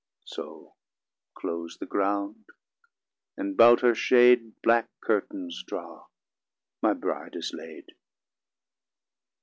So close the ground, and 'bout her shade Black curtains draw; my Bride is laid.